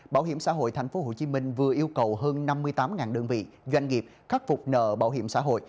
bảo hiểm xã hội tp hcm vừa yêu cầu hơn năm mươi tám đơn vị doanh nghiệp khắc phục nợ bảo hiểm xã hội